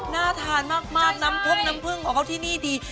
น่าทานมากน้ำพรุ่งของเขาที่นี่ดี